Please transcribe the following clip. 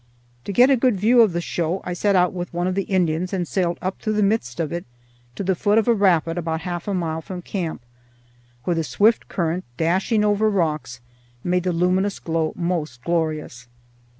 To get a good view of the show I set out with one of the Indians and sailed up through the midst of it to the foot of a rapid about half a mile from camp, where the swift current dashing over rocks made the luminous glow most glorious.